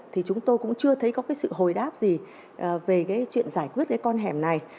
thì chúng tôi cũng chưa thấy có cái sự hồi đáp gì về cái chuyện giải quyết cái con hẻm này